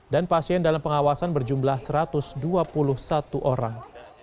dan pasien dalam pengawasan berjumlah satu ratus dua puluh satu orang